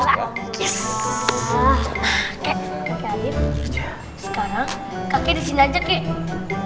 sekarang kakek di sini aja ki